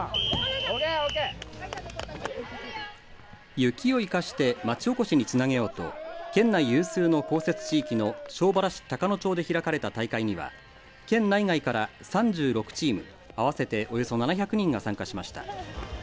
雪を生かして町おこしにつなげようと県内有数の降雪地域の庄原市高野町で開かれた大会には県内外から３６チーム合わせておよそ７００人が参加しました。